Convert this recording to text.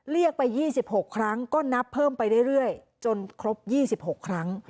เรียกไป๒๖ครั้งก็นับเพิ่มไปเรื่อยจนครบ๒๖ครั้ง